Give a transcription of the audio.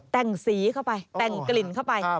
แต่งสีเข้าไปแต่งกลิ่นเข้าไป